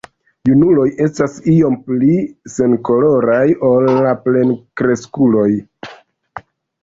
Junuloj estas iom pli senkoloraj ol la plenkreskuloj.